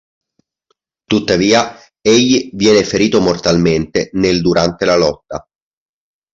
Tuttavia, egli viene ferito mortalmente nel durante la lotta.